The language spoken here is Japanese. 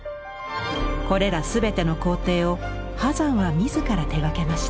これら全ての工程を波山は自ら手がけました。